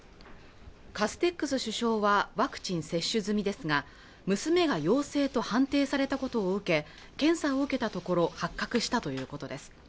カステックス首相はワクチン接種済みですが娘が陽性と判定されたことを受け検査を受けたところ発覚したということです